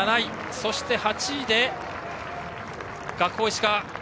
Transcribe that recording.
そして８位で、学法石川。